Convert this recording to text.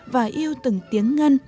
và yêu từng tiếng ngân